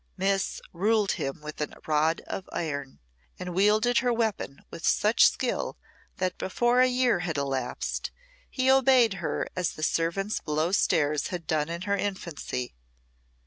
Miss ruled him with a rod of iron, and wielded her weapon with such skill that before a year had elapsed he obeyed her as the servants below stairs had done in her infancy.